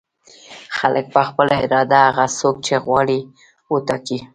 خلک په خپله اراده هغه څوک چې غواړي وټاکي.